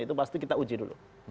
itu pasti kita uji dulu